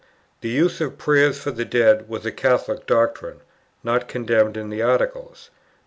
The use of Prayers for the dead was a Catholic doctrine, not condemned in the Articles; 2.